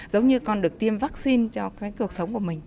giống như con được tiêm vaccine cho cái cuộc sống của mình